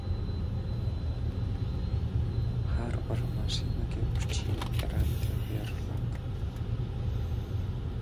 Har bir mashinaga uch yil garantiya beriladi.